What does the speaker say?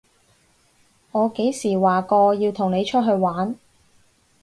我幾時話過要同你出去玩？